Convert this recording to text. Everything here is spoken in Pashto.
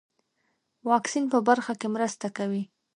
واکسین په برخه کې مرسته کوي.